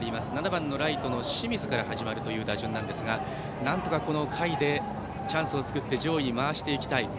７番ライトの清水から始まる打順なんですがなんとか、この下位でチャンスを作って上位に回していきたい。